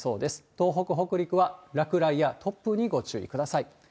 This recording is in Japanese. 東北、北陸は落雷や突風にご注意ください。